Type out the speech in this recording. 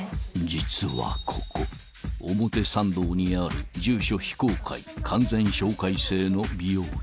［実はここ表参道にある住所非公開完全紹介制の美容室］